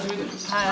はい。